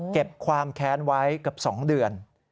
เก็บความแข็งไว้กับ๒เดือน